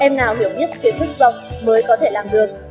em nào hiểu nhất kiến thức rộng mới có thể làm được